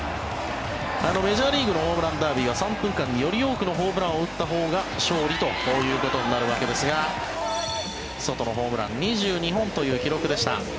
メジャーリーグのホームランダービーは３分間でより多くのホームランを打ったほうが勝利ということになるわけですがソトのホームラン２２本という記録でした。